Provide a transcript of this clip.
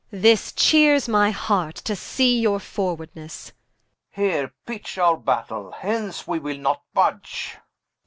This cheares my heart, to see your forwardnesse Oxf. Here pitch our Battaile, hence we will not budge.